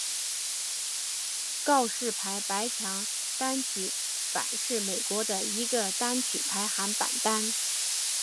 告示牌百强单曲榜是美国的一个单曲排行榜单。